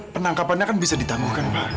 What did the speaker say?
penangkapannya kan bisa ditangguhkan pak